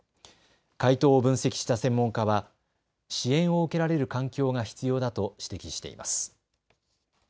回答を分析した専門家は支援を受けられる環境が必要だと指摘しています。